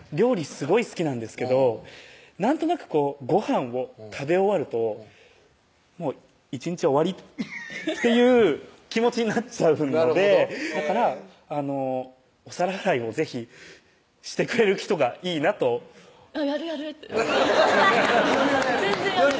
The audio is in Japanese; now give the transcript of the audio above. すごい好きなんですけどなんとなくごはんを食べ終わるともう一日終わりっていう気持ちになっちゃうんでだからお皿洗いを是非してくれる人がいいなと「やるやる」ってアハハハッ「やるやる」「全然やる」